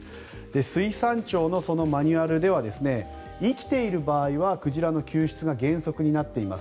水産庁のマニュアルでは生きている場合は鯨の救出が原則になっています。